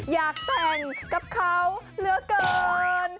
อยากแต่งกับเขาเหลือเกิน